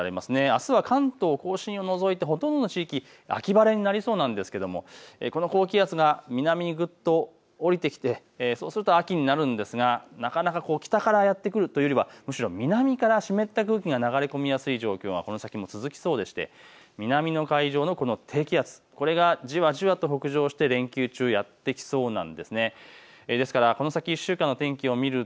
あすは関東甲信を除いてほとんどの地域、秋晴れになりそうなんですけれどもこの高気圧が南にぐっとおりてきてそうすると秋になるんですがなかなか北からやって来るというのはむしろ南から湿った空気が流れ込みやすい状況がこの先も続きやすくて南のこの低気圧、これがじわじわと北上して連休中、やってきそうなんです。